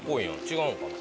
違うんかな？